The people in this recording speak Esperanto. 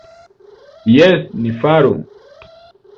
Jes, ni faru.